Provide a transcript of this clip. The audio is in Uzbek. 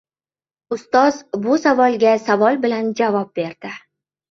Ustoz bu savolga savol bilan javob berdi: